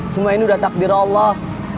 semua ini udah takdir allah